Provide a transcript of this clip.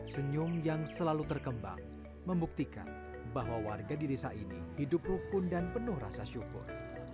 senyum yang selalu berkembang membuktikan bahwa warga di desa ini hidup rukun dan penuh rasa syukur